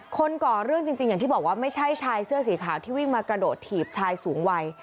ก่อเรื่องจริงอย่างที่บอกว่าไม่ใช่ชายเสื้อสีขาวที่วิ่งมากระโดดถีบชายสูงวัย